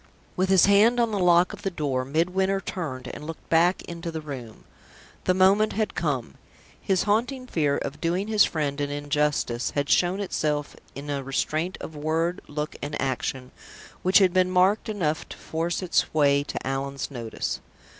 With his hand on the lock of the door, Midwinter turned, and looked back into the room. The moment had come. His haunting fear of doing his friend an injustice had shown itself in a restraint of word, look, and action which had been marked enough to force its way to Allan's notice.